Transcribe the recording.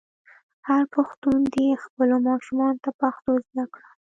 هر پښتون دې خپلو ماشومانو ته پښتو زده کړه.